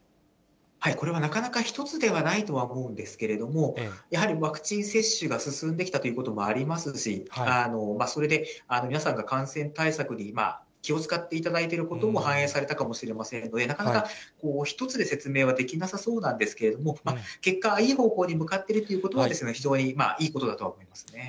これはなかなか１つではないとは思うんですけれども、やはりワクチン接種が進んできたということもありますし、それで皆さんが感染対策に気を遣っていただいていることも反映されたかもしれませんので、なかなか一つで説明はできなさそうなんですけれども、結果はいい方向に向かっているということは、非常にいいことだと思いますね。